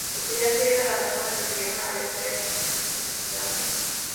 El collage era la razón del que una vez fue conocido en Ucrania.